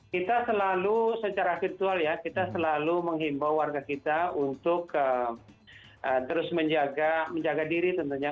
kita selalu secara virtual ya kita selalu menghimbau warga kita untuk terus menjaga diri tentunya